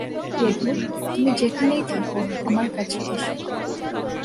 প্রভু, তুমি যেখানেই থাক, আমার কাছে এস।